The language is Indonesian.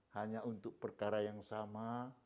hanya untuk perkara yang sama